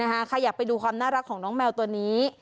ใครอยากไปดูความน่ารักของน้องแมวตัวนี้